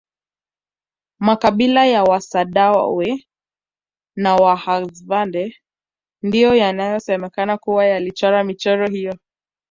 makabila ya wasandawe na wahadzabe ndiyo yanaosemekana kuwa yalichora michoro hiyo